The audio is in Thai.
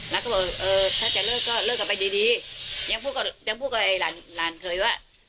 แล้วก็บอกถ้าจะเลิกก็เลิกกันไปดียังพูดกับไอ้หลานเคยว่า